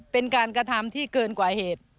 เป็นการกระทำที่เกินกว่าเหตุ